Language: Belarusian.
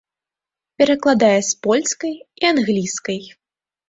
Перакладае з польскай і англійскай.